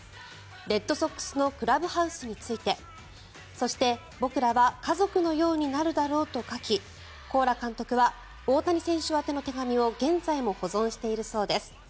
レッドソックスのクラブハウスについてそして、僕らは家族のようになるだろうと書きコーラ監督は大谷選手宛ての手紙を現在も保存しているそうです。